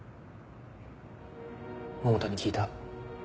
百田に聞いた。